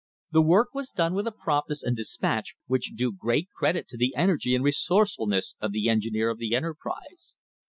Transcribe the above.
The work was done with a promptness" and despatch which do great credit to the energy and resourcefulness of the engineer of the enterprise.